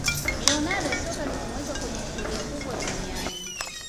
ronaldo soka limemuweka kwenye historia kubwa duniani